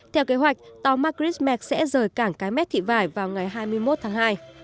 theo kế hoạch tàu macris mek sẽ rời cảng cái mép thị vải vào ngày hai mươi một tháng hai